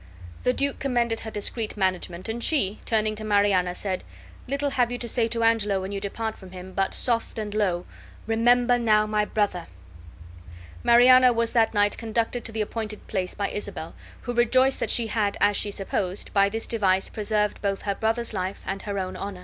The duke commended her discreet management, and she, turning to Mariana, said, "Little have you to say to Angelo, when you depart from him, but soft and low, REMEMBER NOW MY BROTHER!" Mariana was that night conducted to the appointed place by Isabel, who rejoiced that she had, as she supposed, by this device preserved both her brother's life and her own honor.